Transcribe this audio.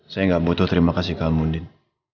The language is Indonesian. saya gak butuh terima kasih kamu din